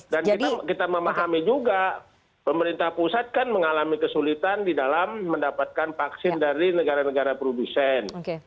dan kita memahami juga pemerintah pusat kan mengalami kesulitan di dalam mendapatkan vaksin dari negara negara producen